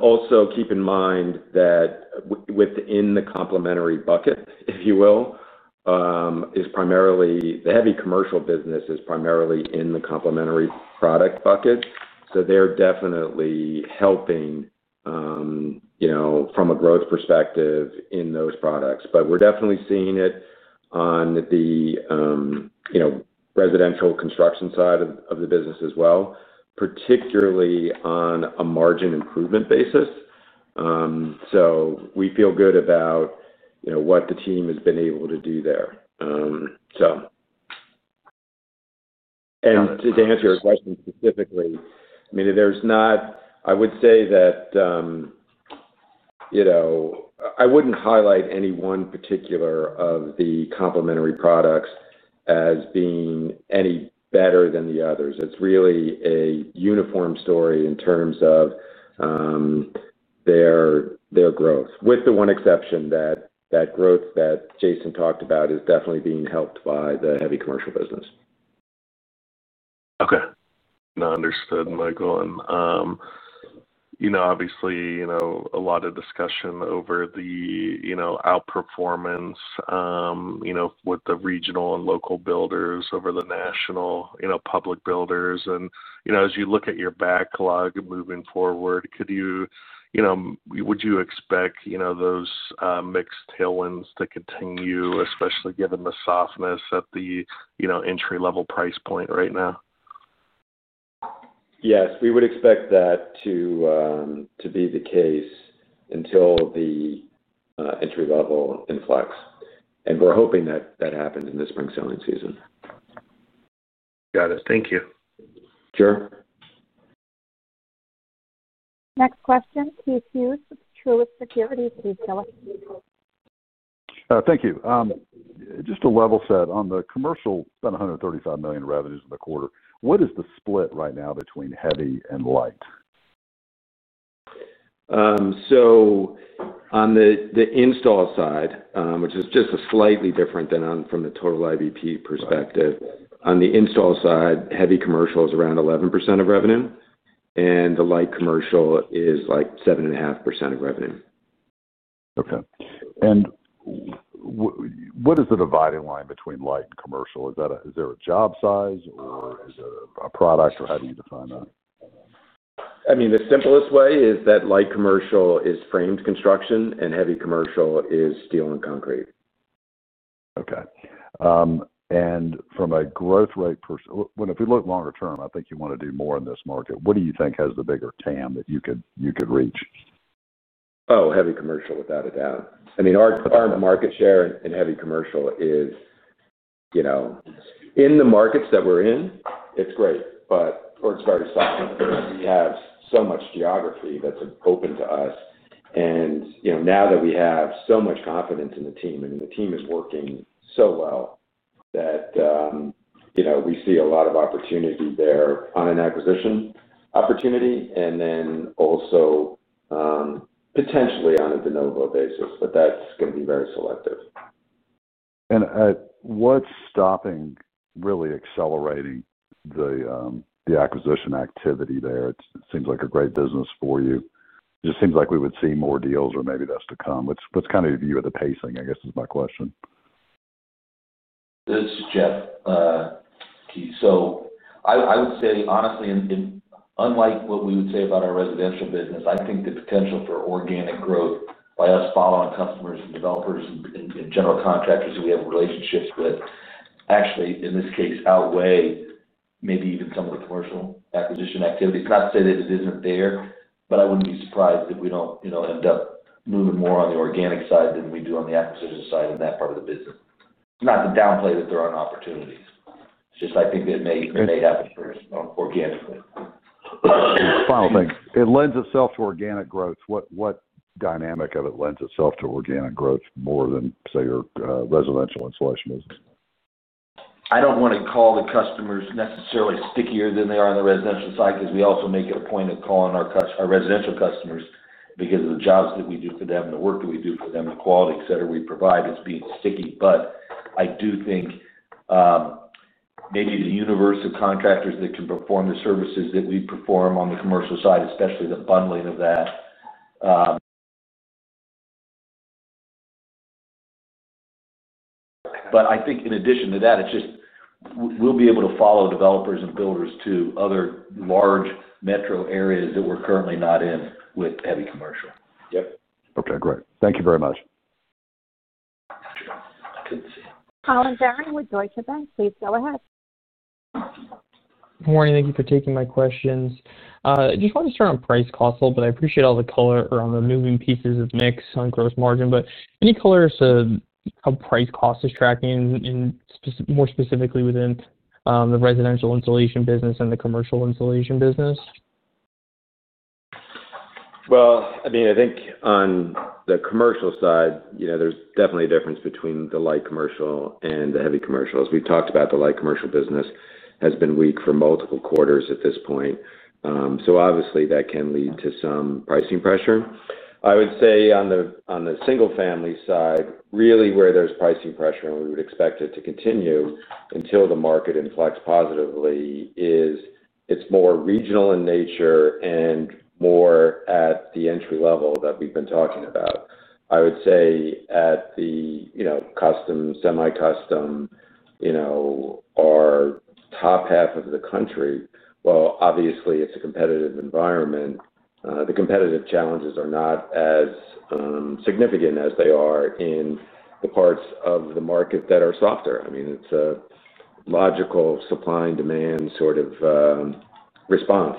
Speaker 4: Also keep in mind that within the complementary bucket, if you will, is primarily the heavy commercial business is primarily in the complementary product bucket. They are definitely helping, you know, from a growth perspective in those products, but we are definitely seeing it on the, you know, residential construction side of the business as well, particularly on a margin improvement basis. We feel good about, you know, what the team has been able to do there. So, to answer your question specifically, I mean, there's not, I would say that, you know, I wouldn't highlight any one particular of the complementary products as being any better than the others. It's really a uniform story in terms of their growth with the one exception. That growth that Jason talked about is definitely being helped by the heavy commercial business.
Speaker 12: Okay, understood. Michael. Obviously a lot of discussion over the outperformance, you know, with the regional and local builders, over the national public builders. You know, as you look at. Your backlog moving forward, could you, would you expect those mixed tailwinds to continue, especially given the softness at the entry-level price point right now?
Speaker 4: Yes, we would expect that to be the case until the entry level influx, and we're hoping that that happens in the spring selling season.
Speaker 12: Got it. Thank you. Sure.
Speaker 1: Next question. Keith Hughes with Truist Securities, please go ahead.
Speaker 13: Thank you. Just to level set on the commercial, spent $135 million revenues in the quarter. What is the split right now between heavy and light?
Speaker 4: On the install side, which is just slightly different than from the total IBP perspective, on the install side, heavy commercial is around 11% of revenue and the light commercial is like 7.5% of revenue.
Speaker 13: Okay, and what is the dividing line between light and commercial? Is there a job size or is it a product or how do you define that?
Speaker 4: I mean, the simplest way is that light commercial is framed construction and heavy commercial is steel and concrete.
Speaker 13: Okay, and from a growth rate, if. We look longer term, I think you want to do more in this market. What do you think has the bigger TAM that you could reach?
Speaker 4: Oh, heavy commercial, without a doubt. I mean, our market share in heavy commercial is, you know, in the markets that we're in, it's great, but it's very soft. We have so much geography that's open to us. Now that we have so much confidence in the team and the team is working so well, we see a lot of opportunity there on an acquisition opportunity and then also potentially on a de novo basis. That is going to be very selective.
Speaker 13: What's stopping really accelerating the acquisition activity there? It seems like a great business for you. Just seems like we would see more deals or maybe that's to come. What's kind of view of the pacing? I guess is my question.
Speaker 3: This is Jeff, Keith. I would say, honestly, unlike what we would say about our residential business, I think the potential for organic growth by us following customers and developers and general contractors who we have relationships with actually in this case outweigh maybe even some of the commercial acquisition activities. Not to say that it isn't there, but I wouldn't be surprised if we don't end up moving more on the organic side than we do on the acquisition side in that part of the business. Not to downplay that there aren't opportunities, just I think that may happen first organically.
Speaker 13: Final thing, it lends itself to organic growth. What dynamic of it lends itself to organic growth more than, say, your residential installation business?
Speaker 3: I do not want to call the customers necessarily stickier than they are on the residential side because we also make it a point of calling our residential customers because of the jobs that we do for them, the work that we do for them, the quality, etc. we provide as being sticky. I do think maybe the universe of contractors that can perform the services that we perform on the commercial side, especially the bundling of that. I think in addition to that, it is just we will be able to follow developers and builders to other large metro areas that we are currently not in with heavy commercial.
Speaker 4: Yep.
Speaker 13: Okay, great. Thank you very much.
Speaker 1: Collin Verron with Deutsche Bank. Please go ahead.
Speaker 14: Good morning. Thank you for taking my questions. Just wanted to start on price cost a little bit. I appreciate all the color around the moving pieces of mix on gross margin, but any color price cost is tracking more specifically within the residential insulation business and the commercial insulation business.
Speaker 4: I mean, I think on the commercial side, you know, there's definitely a difference between the light commercial and the heavy commercial. As we talked about, the light commercial business has been weak for multiple quarters at this point. Obviously, that can lead to some pricing pressure. I would say on the single-family side, really, where there's pricing pressure and we would expect it to continue until the market inflects positively is it's more regional in nature and more at the entry level that we've been talking about. I would say at the custom, semi-custom top half of the country. Obviously, it's a competitive environment. The competitive challenges are not as significant as they are in the parts of the market that are softer. I mean, it's a logical supply and demand sort of response.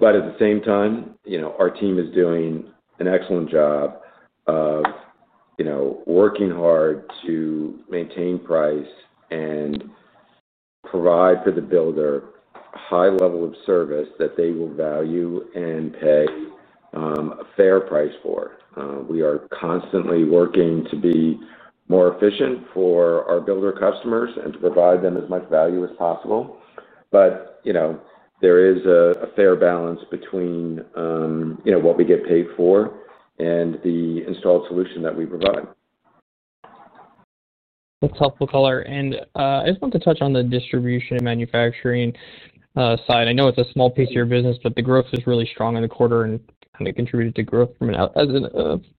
Speaker 4: At the same time, you know, our team is doing an excellent job of, you know, working hard to maintain price and provide for the builder a high level of service that they will value and pay a fair price for. We are constantly working to be more efficient for our builder customers and to provide them as much value as possible. You know, there is a fair balance between, you know, what we get paid for and the installed solution that we provide.
Speaker 14: That's helpful color and I just want to touch on the distribution and manufacturing side. I know it's a small piece of your business, but the growth is really strong in the quarter and kind of contributed to growth at an outsized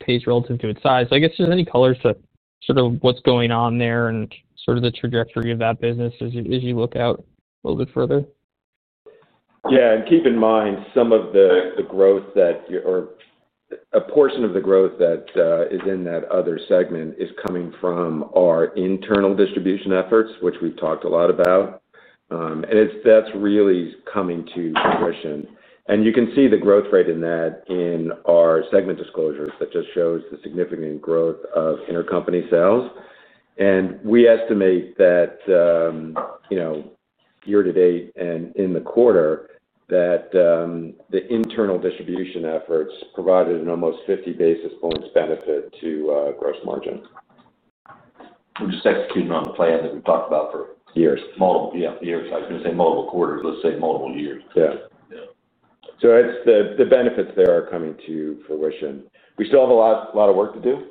Speaker 14: pace relative to its size. I guess if there's any color as to sort of what's going on there and sort of the trajectory of that business as you. Look out a little bit further.
Speaker 4: Yeah. Keep in mind, some of the growth that or a portion of the growth that is in that Other Segment is coming from our internal distribution efforts which we've talked a lot about. That is really coming to fruition. You can see the growth rate in that in our segment disclosures that just shows the significant growth of intercompany sales. We estimate that year-to-date and in the quarter that the internal distribution efforts provided an almost 50 basis points benefit to gross margin.
Speaker 3: We're just executing on the plan that we've talked about for years. I was going to say multiple quarters. Let's say multiple years. Yeah.
Speaker 4: It's the benefits there are coming to fruition. We still have a lot of work to do,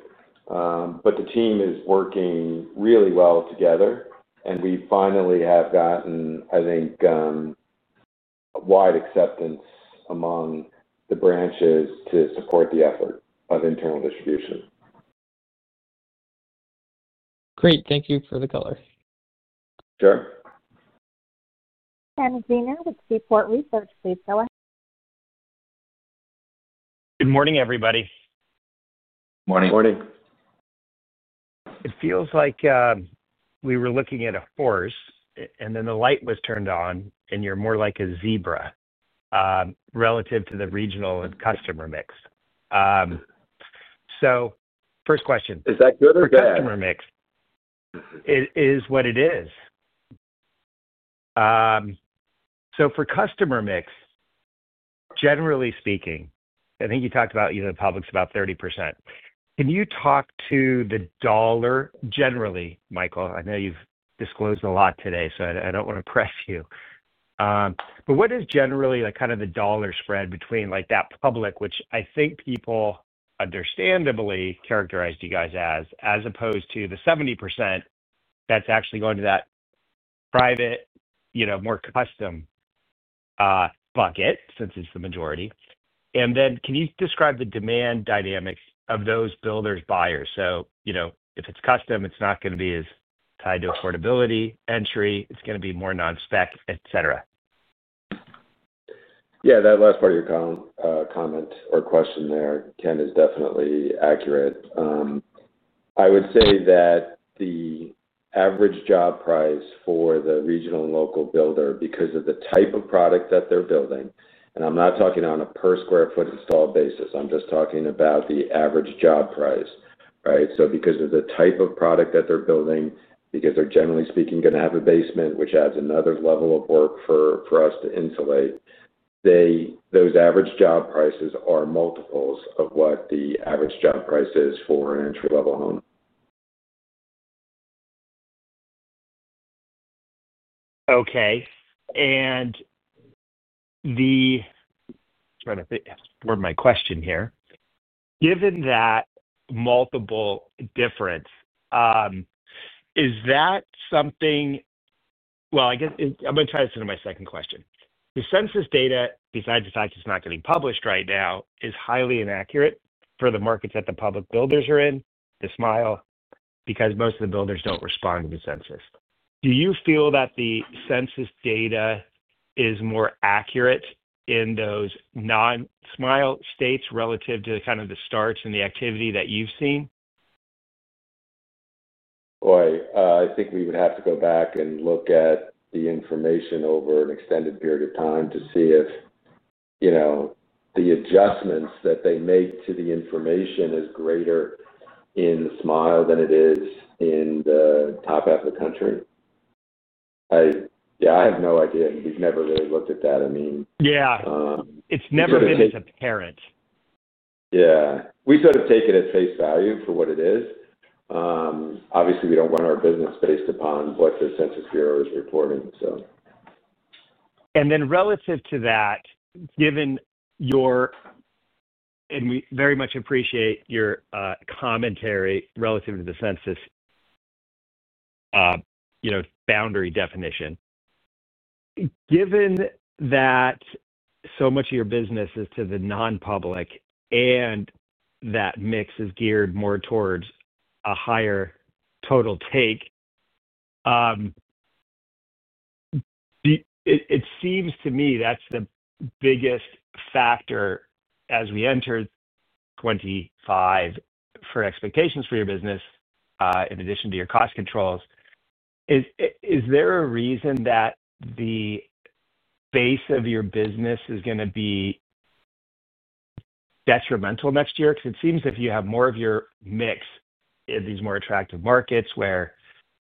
Speaker 4: but the team is working really well together and we finally have gotten, I think, wide acceptance among the branches to support the effort of internal distribution.
Speaker 14: Great. Thank you for the color.
Speaker 4: Sure. Kenneth Zener with Seaport Research, please go ahead.
Speaker 15: Good morning, everybody.
Speaker 3: Morning.
Speaker 4: Morning.
Speaker 15: It feels like we were looking at a force and then the light was turned on and you're more like a zebra relative to the regional and customer mix. First question.
Speaker 4: Is that good for customer mix?
Speaker 15: It is what it is. For customer mix, generally speaking, I think you talked about the public's about 30%. Can you talk to the dollar generally? Michael, I know you've disclosed a lot today, so I don't want to press you. What is generally kind of the dollar spread between like that public, which I think people understandably characterized you guys as, as opposed to the 70% that's actually going to that private more custom bucket since it's the majority? Can you describe the demand dynamics of those builders buyers? You know, if it's custom, it's not going to be as tied to affordability entry, it's going to be more non spec, etc.
Speaker 4: Yeah, that last part of your comment or question there, Ken, is definitely accurate. I would say that the average job price for the regional and local builder because of the type of product that they're building, and I'm not talking on a per-square-foot installed basis, I'm just talking about the average job price, right, so because of the type of product that they're building, because they're generally speaking going to have a basement, which adds another level of work for us to insulate, those average job prices are multiples of what the average job price is for an entry-level home.
Speaker 15: Okay. And, the, sorry trying to see my question here, given that multiple difference, is that something, I guess I'm going to try this into my second question. The Census data, besides the fact it's not getting published right now, is highly inaccurate for the markets that the public builders are in the smile because most of the builders don't respond to the Census. Do you feel that the Census data is more accurate in those non-Smile states relative to kind of the starts and the activity that you've seen?
Speaker 4: Well, I think we would have to go back and look at the information over an extended period of time to see if, you know, the adjustments that they make to the information is greater in the Smile than it is in the top half of the country. Yeah, I have no idea. We've never really looked at that. I mean,
Speaker 15: Yeah, it's never been as apparent.
Speaker 4: Yeah, we sort of take it at face value for what it is. Obviously we don't run our business based upon what the Census Bureau is reporting. So.
Speaker 15: Relative to that, given your, and we very much appreciate your commentary relative to the Census, you know, boundary definition given that so much of your business is to the non-public and that mix is geared more towards a higher total take, it seems to me that's the biggest factor as we enter 2025 for expectations for your business in addition to your cost controls. Is there a reason that the base of your business is going to be detrimental next year? Because it seems if you have more of your mix in these more attractive markets where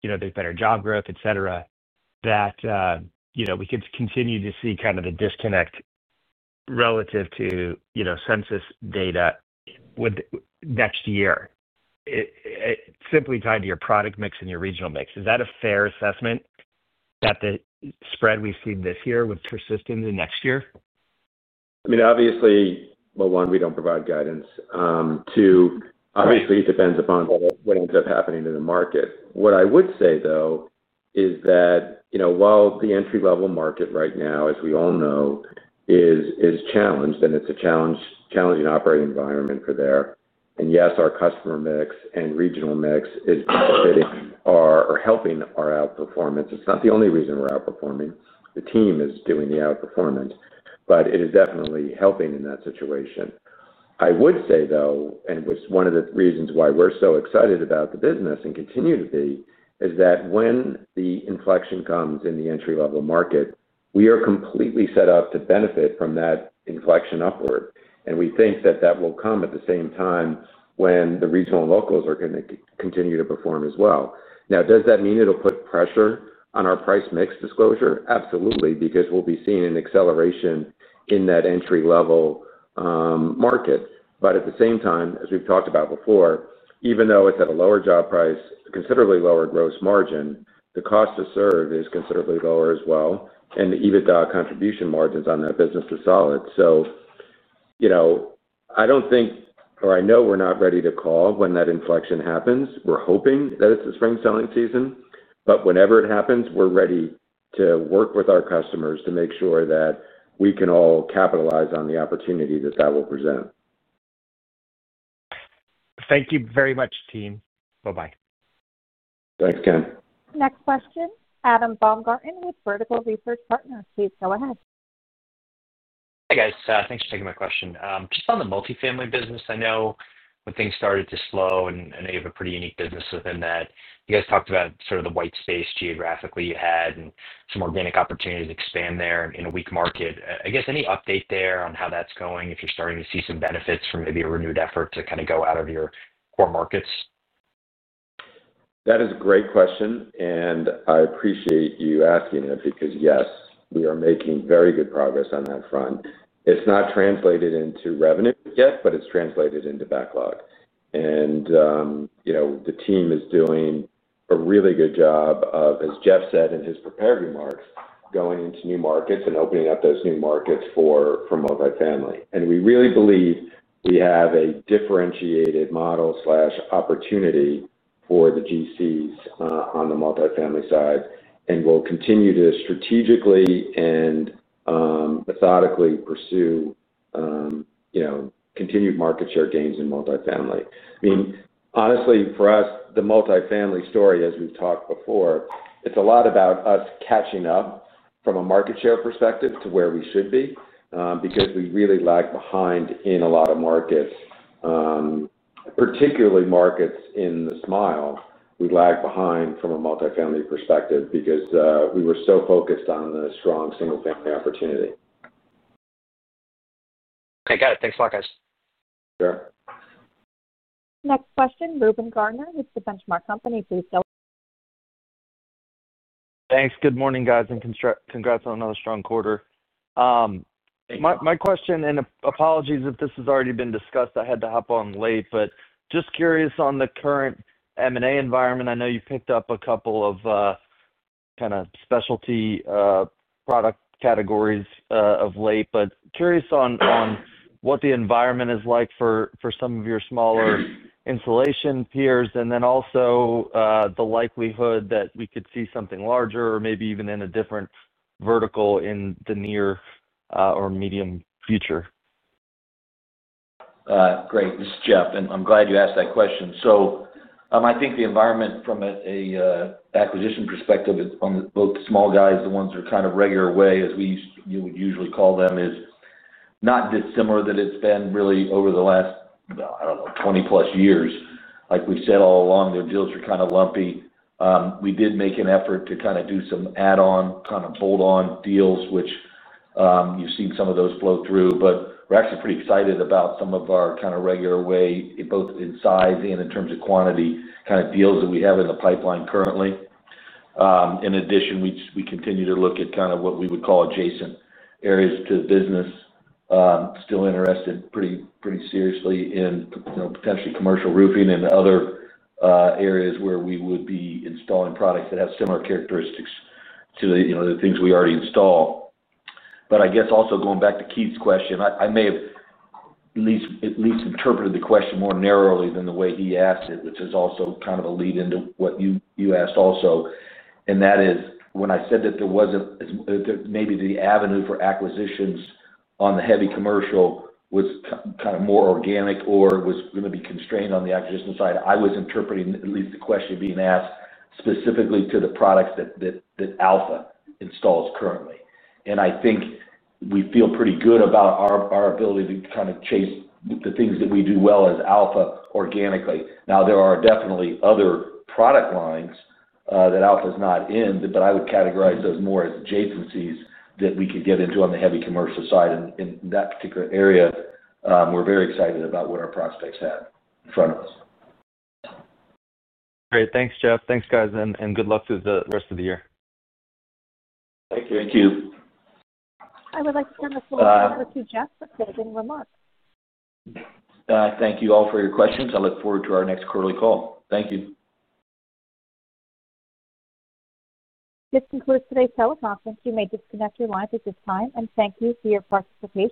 Speaker 15: there's better job growth, et cetera, that we could continue to see kind of the disconnect relative to Census data next year simply tied to your product mix and your regional mix. Is that a fair assessment that the spread we've seen this year would persist in the next year?
Speaker 4: I mean, obviously. One, we don't provide guidance. Two, obviously it depends upon what ends up happening in the market. What I would say though is that, you know, while the entry-level market right now as we all know is challenged and it's a challenging operating environment for there and yes, our customer mix and regional mix is helping our outperformance. It's not the only reason we're outperforming. The team is doing the outperformance. It is definitely helping in that situation. I would say though, one of the reasons why we're so excited about the business and continue to be is that when the inflection comes in the entry-level market, we are completely set up to benefit from that inflection upward. We think that that will come at the same time when the regional locals are going to continue to perform as well. Now, does that mean it will put pressure on our price-mix disclosure? Absolutely, because we'll be seeing an acceleration in that entry-level market. At the same time, as we've talked about before, even though it's at a lower job price, considerably lower gross margin, the cost to serve is considerably lower as well. The EBITDA contribution margins on that business are solid, you know, I don't think or I know we're not ready to call when that inflection happens. We're hoping that it's the spring selling season, but whenever it happens, we're ready to work with our customers to make sure that we can all capitalize on the opportunity that that will present.
Speaker 15: Thank you very much, team. Bye bye.
Speaker 4: Thanks, Ken.
Speaker 1: Next question, Adam Baumgarten with Vertical Research Partners, please go ahead.
Speaker 16: Hi guys, thanks for taking my question. Just on the multifamily business, I know when things started to slow and you have a pretty unique business within that, you guys talked about sort of the white space geographically, you and some organic opportunities expand there in a weak market, I guess. Any update there on how that's going, if you're starting to see some benefits. From maybe a renewed effort to kind of go out of your core markets?
Speaker 4: That is a great question and I appreciate you asking it because yes, we are making very good progress on that front. It has not translated into revenue yet, but it has translated into backlog. And you know, the team is doing a really good job of, as Jeff said in his prepared remarks, going into new markets and opening up those new markets for multifamily. We really believe we have a differentiated model opportunity for the GCs on the multifamily side and will continue to strategically and methodically pursue continued market share gains in multifamily. Honestly, for us, the multifamily story, as we have talked before, it is a lot about us catching up from a market share perspective to where we should be because we really lag behind in a lot of markets, particularly markets in the Smile. We lag behind from a multifamily perspective because we were so focused on the strong single-family opportunity.
Speaker 16: Okay, got it. Thanks a lot guys.
Speaker 1: Next question. Reuben Garner with The Benchmark Company.
Speaker 17: Thanks. Good morning guys and congrats on another strong quarter. My question, and apologies if this has already been discussed, I had to hop on late, but just curious on the current M&A environment. I know you picked up a couple of kind of specialty product categories of late, but curious on what the environment is like for some of your smaller insulation peers and then also the likelihood that we could see something larger or maybe even in a different vertical in the near or medium future.
Speaker 3: Great. This is Jeff, and I'm glad you asked that question. I think the environment from an acquisition perspective on both small guys, the ones that are kind of regular way, as we would usually call them, is not dissimilar to what it's been really over the last, I don't know, 20-plus years. Like we've said all along their deals are kind of lumpy. We did make an effort to kind of do some add-on, kind of hold-on deals which you've seen some of those flow through. We are actually pretty excited about some of our kind of regular way, both in size and in terms of quantity, kind of deals that we have in the pipeline currently. In addition, we continue to look at kind of what we would call adjacent areas to the business, still interested pretty seriously in potentially commercial roofing and other areas where we would be installing products that have similar characteristics to the things we already install. I guess also going back to Keith's question, I may have at least interpreted the question more narrowly than the way he asked it, which is also kind of a lead-in to what you asked also. That is when I said that there was not maybe the avenue for acquisitions on the heavy commercial was kind of more organic or was going to be constrained on the acquisition side. I was interpreting at least the question being asked specifically to the products that Alpha installs currently. I think we feel pretty good about our ability to kind of chase the things that we do well as Alpha organically. Now, there are definitely other product lines that Alpha is not in, but I would categorize those more as adjacencies that we could get into on the heavy commercial side in that particular area. We are very excited about what our prospects have in front of us.
Speaker 17: Great. Thanks, Jeff. Thanks, guys. Good luck to the rest of the year.
Speaker 3: Thank you.
Speaker 1: I would like to turn the floor over to Jeff for closing remarks.
Speaker 3: Thank you all for your questions. I look forward to our next quarterly call. Thank you.
Speaker 1: This concludes today's teleconference. You may disconnect your lines at this time and thank you for your participation.